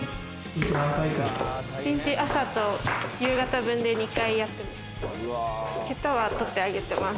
一日、朝と夕方分で２回やってます。